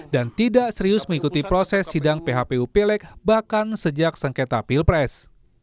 dan tidak serius mengikuti proses sidang phpu pileg bahkan sejak sengketa pilpres